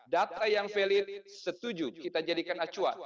data yang valid setuju kita jadikan acuan